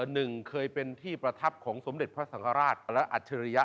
หนึ่งเคยเป็นที่ประทับของสมเด็จพระสังฆราชและอัจฉริยะ